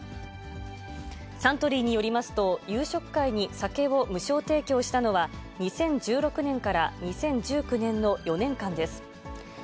サントリーによりますと、夕食会に酒を無償提供したのは、２０１６年から２０１９年の４年間です。